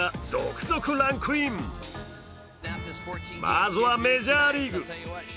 まずはメジャーリーグ。